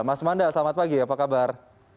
mas manda selamat pagi apa kabar